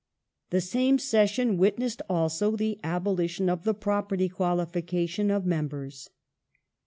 The same session witnessed, also, the abolition of the property qualification of mem bers.